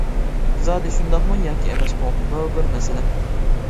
زادى شۇنداقمۇ ياكى ئەمەسمۇ، بۇ بىر مەسىلە.